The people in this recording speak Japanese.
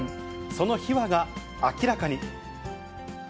その秘話が明らかに。